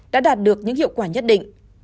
đã đạt được những hiệu quả nhất định